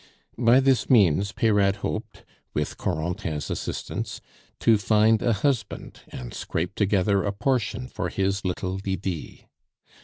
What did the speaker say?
By this means Peyrade hoped, with Corentin's assistance, to find a husband and scrape together a portion for his little Lydie.